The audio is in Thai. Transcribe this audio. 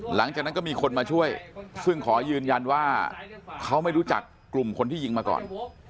หลังจากนั้นก็มีคนมาช่วยซึ่งขอยืนยันว่าเขาไม่รู้จักกลุ่มคนที่ยิงมาก่อน